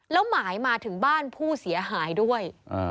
แล้วหมายมาถึงบ้านผู้เสียหายด้วย